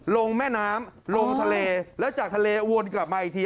ลงแม่น้ำลงทะเลแล้วจากทะเลวนกลับมาอีกที